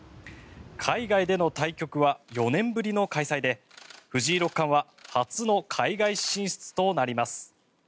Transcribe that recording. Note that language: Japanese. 海外での対局は４年ぶりの開催で藤井六冠は初の海外進出となります。